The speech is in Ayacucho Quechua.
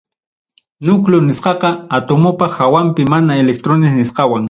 Núcleo nisqaqa, atomopa hawanmi, mana electrones nisqawan.